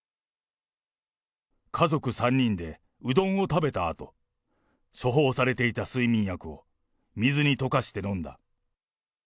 家族３人でうどんを食べたあと、処方されていた睡眠薬を水に溶かして飲んだ。